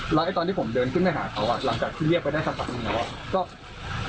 หลายไหร่ตอนที่ผมเดินขึ้นมาให้หาเขาหลังจากที่เรียกไปนานที่นี่ค่ะ